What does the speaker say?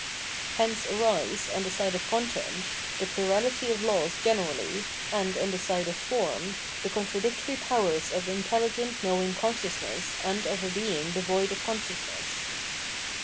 Hence arise, on the side of content, the plurality of laws generally, and, on the side of form, the contradictory powers of intelligent knowing con sciousness and of a being devoid of consciousness.